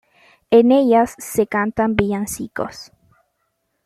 En ellas se cantan villancicos.